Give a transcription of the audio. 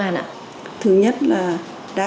anh ơi là